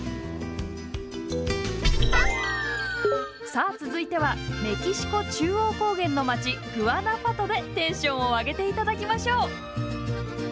さあ続いてはメキシコ中央高原の街グアナフアトでテンションを上げて頂きましょう。